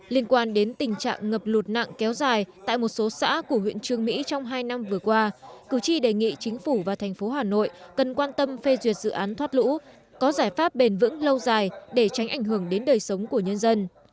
liên quan đến tình trạng ngập lụt nặng kéo dài tại một số xã của huyện trương mỹ trong hai năm vừa qua cử tri đề nghị chính phủ và thành phố hà nội cần quan tâm phê duyệt dự án thoát lũ có giải pháp bền vững lâu dài để tránh ảnh hưởng đến đời sống của nhân dân